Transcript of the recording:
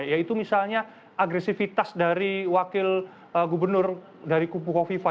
yaitu misalnya agresivitas dari wakil gubernur dari kubu kofifa